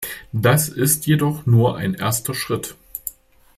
Das ist jedoch nur ein erster Schritt.